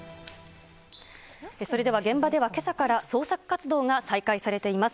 それでは現場では、けさから捜索活動が再開されています。